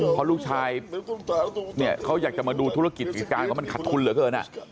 เพราะลูกชายเนี่ยเขาอยากจะมาดูธุรกิจกิจการว่ามันขัดทุนเหลือเกิน